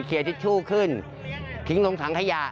เคลียร์ทิชชู่ขึ้นทิ้งลงถังขยะ